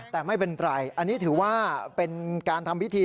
แต่ไม่เป็นไรอันนี้ถือว่าเป็นการทำพิธี